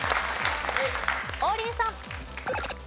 王林さん。